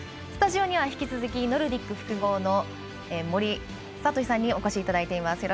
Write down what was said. スタジオには引き続きノルディック複合の森敏さんにお越しいただいています。